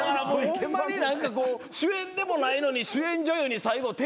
ホンマに何か主演でもないのに主演女優に最後手紙渡してね